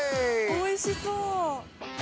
おいしそう。